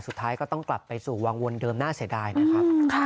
สุดท้ายก็ต้องกลับไปสู่วังวนเดิมน่าเสียดายนะครับ